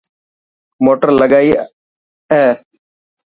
موٽر لگائي اي.